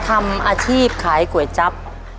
ตัวเลือกที่สี่อายุ๙๖ปี๔เดือน๘วัน